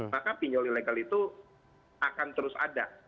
maka pinjol ilegal itu akan terus ada